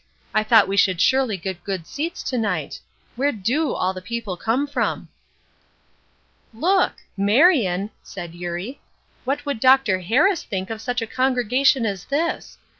I thought we should surely get good seats to night? Where do all the people come from." "Look! Marion," said Eurie. "What would Dr. Harris think of such a congregation as this!